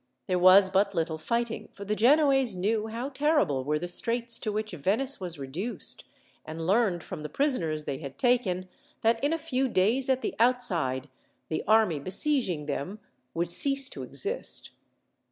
There was but little fighting, for the Genoese knew how terrible were the straits to which Venice was reduced, and learned, from the prisoners they had taken, that in a few days, at the outside, the army besieging them would cease to exist.